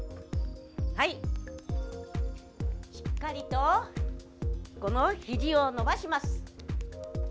しっかりとひじを伸ばします。